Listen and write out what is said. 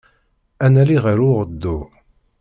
Ad nali ɣer uɣeddu.